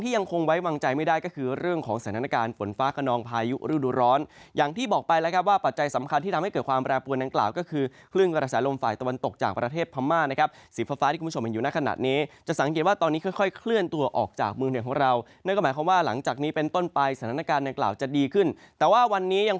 อย่างที่บอกไปแล้วครับว่าปัจจัยสำคัญที่ทำให้เกิดความแบรนด์ปวนในเกลาคือคลื่นกระสายโลมฝ่ายตะวันตกจากประเทศพรรมานะครับสีฟ้าที่คุณผู้ชมเห็นอยู่ในขณะนี้จะสังเกตว่าตอนนี้ค่อยเคลื่อนตัวออกจากมือเหนือของเรานั่นก็หมายความว่าหลังจากนี้เป็นต้นไปสถานการณ์ในเกลาจะดีขึ้นแต่ว่าวันนี้